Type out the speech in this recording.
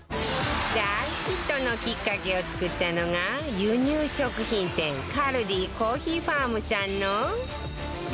大ヒットのきっかけを作ったのが輸入食品店カルディコーヒーファームさんの